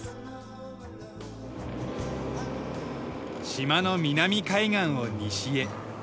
島の南海岸を西へ。